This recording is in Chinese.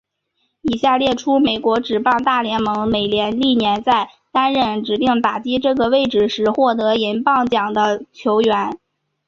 以下列出美国职棒大联盟美联历年在担任指定打击这个位置时获得银棒奖的球员。